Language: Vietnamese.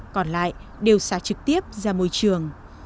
còn lại đều xả trực tiếp ra môi trường